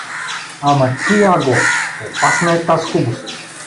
Ама чуй, аго, опасна е таз хубост.